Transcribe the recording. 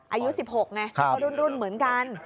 อายุ๑๖ไงก็รุ่นเหมือนกัน